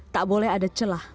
tak boleh ada celah